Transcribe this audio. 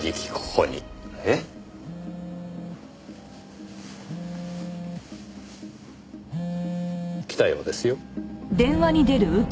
えっ？来たようですよ。